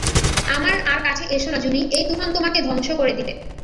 আমার আর কাছে এসো না জুনি, এই তুফান তোমাকে ধ্বংস করে দিবে।